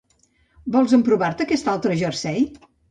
Vols emprovar-te aquest altre jersei?